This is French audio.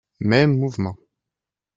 Mêmes mouvements.